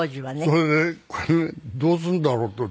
それでこれどうするんだろうと。